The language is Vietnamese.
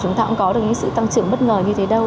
chúng ta cũng có được những sự tăng trưởng bất ngờ như thế đâu